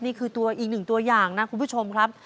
นี่คือตัวอีกหนึ่งตัวอย่างนะคุณผู้ชมครับ